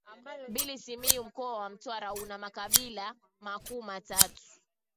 Mbili Simiyu Mkoa wa Mtwara una makabila makuu matatu